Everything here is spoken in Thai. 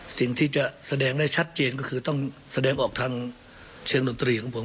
สิ่งที่จะแสดงได้ชัดเจนก็คือต้องแสดงออกทางเชิงดนตรีของผม